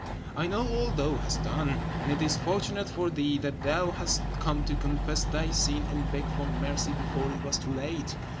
I know all thou hast done, and it is fortunate for thee that thou hast come to confess thy sin and beg for mercy before it was too late.